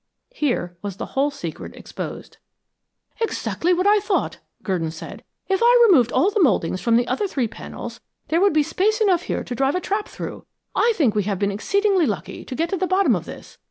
Here was the whole secret exposed. "Exactly what I thought," Gurdon said. "If I removed all the mouldings from the other three panels there would be space enough here to drive a trap through. I think we have been exceedingly lucky to get to the bottom of this.